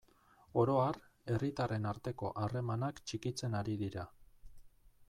Oro har, herritarren arteko harremanak txikitzen ari dira.